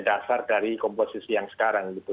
dasar dari komposisi yang sekarang gitu